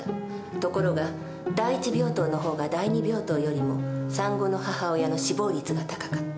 ところが第一病棟の方が第二病棟よりも産後の母親の死亡率が高かった。